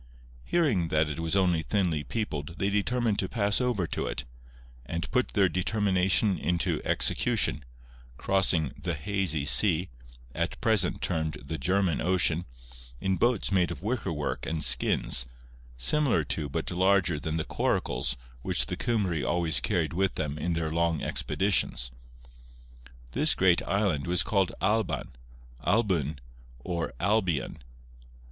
Hearing that it was only thinly peopled they determined to pass over to it; and put their determination into execution, crossing 'the hazy sea,' at present termed the German Ocean, in boats made of wicker work and skins, similar to but larger than the coracles which the Cymry always carried with them in their long expeditions. This great island was called Alban, Albyn, or Albion.